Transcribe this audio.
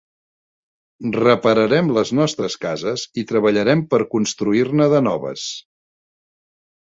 Repararem les nostres cases i treballarem per construir-ne de noves.